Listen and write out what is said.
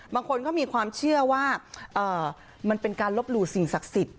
บางคนเขามีความเชื่อว่ามันเป็นการลบหลู่สิ่งศักดิ์สิทธิ